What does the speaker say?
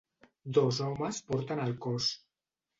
Dos homes porten el cos.